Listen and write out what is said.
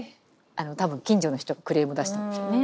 多分近所の人がクレーム出したんでしょうね